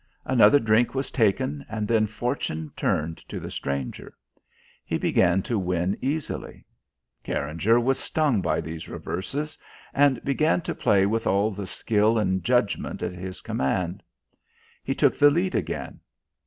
Another drink was taken and then fortune turned to the stranger. He began to win easily. Carringer was stung by these reverses, and began to play with all the skill and judgment at his command. He took the lead again.